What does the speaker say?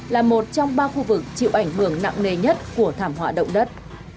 là một trong ba khu vực chịu ảnh hưởng nặng nề nhất của thảm họa động đất